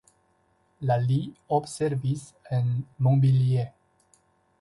La li observis en Montpellier.